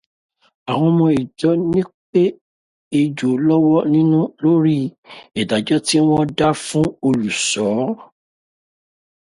Àwọn ọmọ ìjọ nípé ejò lọ́wọ́ nínú lórí ìdájọ́ tí wọ́n dá fún olùṣọ́.